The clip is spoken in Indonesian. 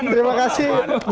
terima kasih mas budi